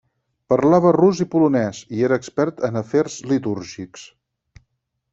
Parlava rus i polonès, i era expert en afers litúrgics.